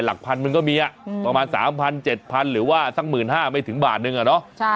หลักพันมันก็มีอ่ะอืมประมาณสามพันเจ็ดพันหรือว่าสักหมื่นห้าไม่ถึงบาทหนึ่งอะเนอะใช่